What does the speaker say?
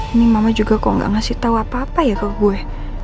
ini mama juga kok gak ngasih tahu apa apa ya ke gue